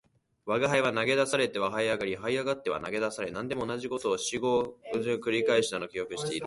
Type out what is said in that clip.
吾輩は投げ出されては這い上り、這い上っては投げ出され、何でも同じ事を四五遍繰り返したのを記憶している